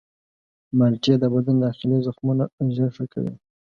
مالټې د بدن داخلي زخمونه ژر ښه کوي.